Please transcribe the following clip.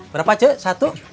berapa ce satu